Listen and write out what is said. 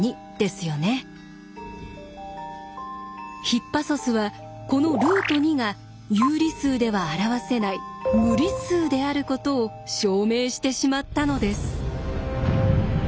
ヒッパソスはこのルート２が有理数では表せない無理数であることを証明してしまったのです。